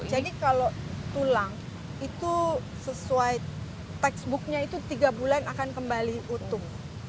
kalau tulang itu sesuai textbooknya itu tiga bulan akan kembali utuh